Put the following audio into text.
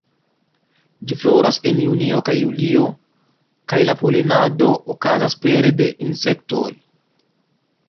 Ĝi floras en junio kaj julio, kaj la polenado okazas pere de insektoj.